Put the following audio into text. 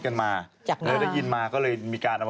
แล้วมันรับอะไรพี่ยายทำหน้า